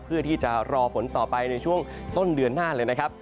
เพื่อที่จะรอฝนต่อไปในช่วงต้นเดือนหน้าเลยนะครับ